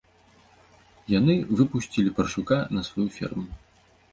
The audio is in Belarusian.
Яны выпусцілі парсюка на сваю ферму.